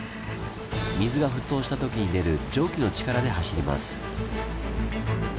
水が沸騰したときに出る蒸気の力で走ります。